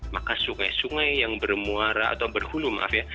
maka sungai sungai yang bermuara atau berhulu maaf ya